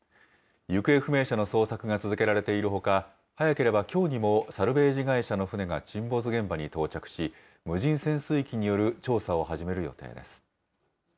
行方不明者の捜索が続けられているほか、早ければきょうにもサルベージ会社の船が沈没現場に到着し、無人潜水機による調査を始める予定です。